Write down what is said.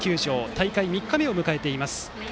大会３日目を迎えています。